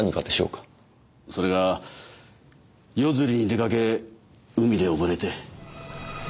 それが夜釣りに出かけ海で溺れて。